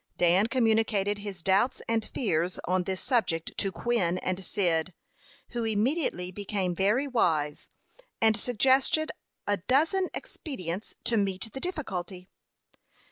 Dan communicated his doubts and fears on this subject to Quin and Cyd, who immediately became very wise, and suggested a dozen expedients to meet the difficulty.